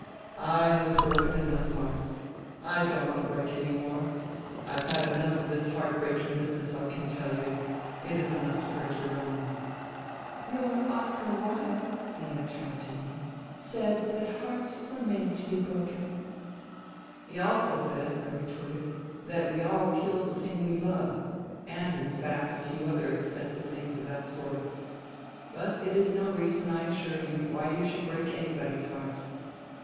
'' I have broken enough hearts. I don't want to break any more. I've had enough of this heart breaking business, I can tell you. It is enough to break your own*" 58 FUTILITY " Your Oscar Wilde," Zina turned to me, " said that hearts were made to be broken." "He also said," I retorted, "that 'We all kill the thing we love,' and, in fact, a few other expensive things of that sort. But it is no reason, I assure you, why you should break anybody's heart."